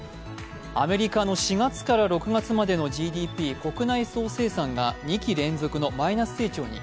アメリカの４月から６月までのＧＤＰ＝国内総生産が２期連続のマイナス成長に。